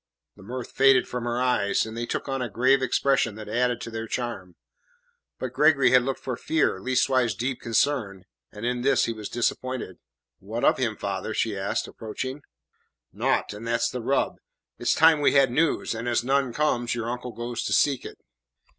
The mirth faded from her eyes, and they took on a grave expression that added to their charm. But Gregory had looked for fear, leastways deep concern, and in this he was disappointed. "What of him, father?" she asked, approaching. "Naught, and that's the rub. It is time we had news, and as none comes, your uncle goes to seek it."